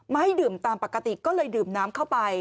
ให้ดื่มตามปกติก็เลยดื่มน้ำเข้าไป